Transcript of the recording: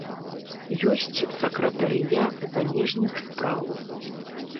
Ёсць сакратарыят замежных спраў.